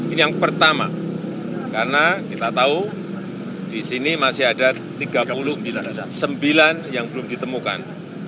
ini yang pertama karena kita tahu di sini masih ada tiga puluh sembilan yang belum ditemukan